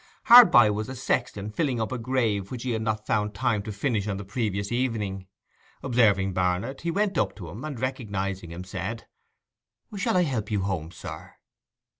Hard by was a sexton filling up a grave which he had not found time to finish on the previous evening. Observing Barnet, he went up to him, and recognizing him, said, 'Shall I help you home, sir?